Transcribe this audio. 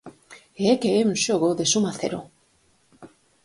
E é que é un xogo de suma cero.